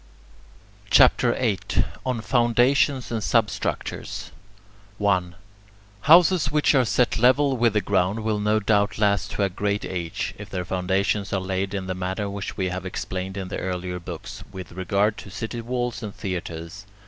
CHAPTER VIII ON FOUNDATIONS AND SUBSTRUCTURES 1. Houses which are set level with the ground will no doubt last to a great age, if their foundations are laid in the manner which we have explained in the earlier books, with regard to city walls and theatres.